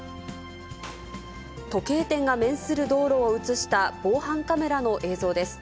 時計店が面する道路を写した防犯カメラの映像です。